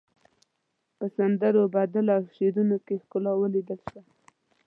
په سندرو، بدلو او شعرونو کې ښکلا وليدل شوه.